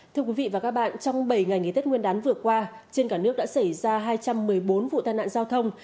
thưa quý vị và các bạn trong bảy ngày nghỉ tết nguyên đán vừa qua trên cả nước đã xảy ra hai trăm một mươi bốn vụ tai nạn giao thông